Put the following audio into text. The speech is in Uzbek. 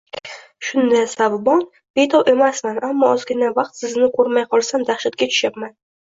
Shunda Savbon: “Betob emasman, ammo ozgina vaqt sizni ko‘rmay qolsam, dahshatga tushyapman